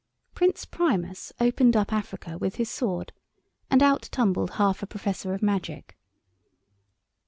Prince Primus opened up Africa with his sword, and out tumbled half a Professor of Magic.